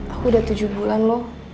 aku udah tujuh bulan loh